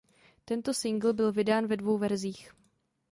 Tento singl byl vydán ve dvou verzích.